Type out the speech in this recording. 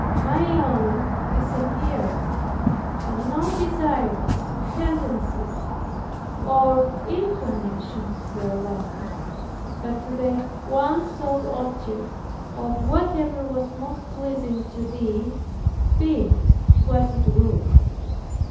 My own disappeared, and no desires, tendencies or inclinations were left, but to the one sole object of whatever was most pleasing to Thee, be it what it would.